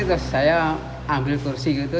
terus saya ambil kursi gitu